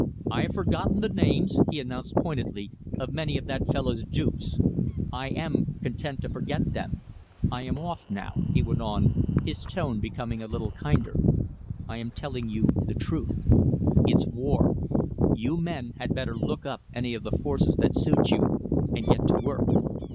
"I have forgotten the names," he announced pointedly, "of many of that fellow's dupes. I am content to forget them. I am off now," he went on, his tone becoming a little kinder. "I am telling you the truth. It's war. You men had better look up any of the forces that suit you and get to work.